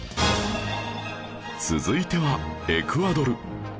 続いてはエクアドル